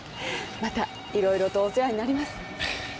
また色々とお世話になります。